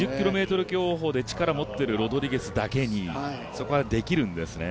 ２０ｋｍ競歩で力を持っているロドリゲスなだけにそこはできるんですね。